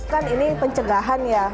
kan ini pencegahan ya